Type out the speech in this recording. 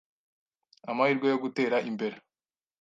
amahirwe yo gutera imbere